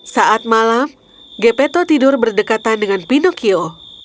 saat malam gapeto tidur berdekatan dengan pinocchio